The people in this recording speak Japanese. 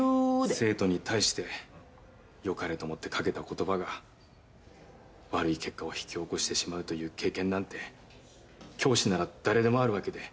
生徒に対してよかれと思って掛けた言葉が悪い結果を引き起こしてしまうという経験なんて教師なら誰でもあるわけで。